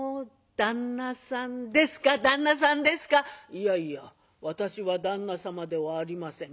「いやいや私は旦那様ではありません。